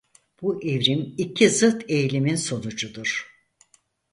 Bu evrim iki zıt eğilimin sonucudur.